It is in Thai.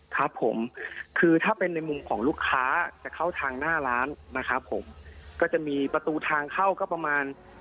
ครับผมคือถ้าเป็นในมุมของลูกค้าจะเข้าทางหน้าร้านนะครับผมก็จะมีประตูทางเข้าก็ประมาณ